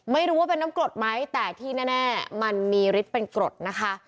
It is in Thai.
ไม่รู้ว่าเป็นน้ำกรดไหมแต่ที่แน่มันมีฤทธิ์เป็นกรดนะคะ